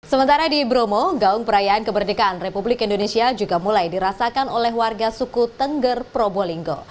sementara di bromo gaung perayaan kemerdekaan republik indonesia juga mulai dirasakan oleh warga suku tengger probolinggo